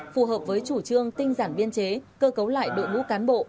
phù hợp với chủ trương tinh giản biên chế cơ cấu lại đội ngũ cán bộ